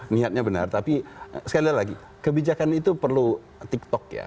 niatnya benar tapi sekali lagi kebijakan itu perlu tiktok ya